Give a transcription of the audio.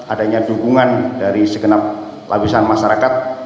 adanya dukungan dari segenap lapisan masyarakat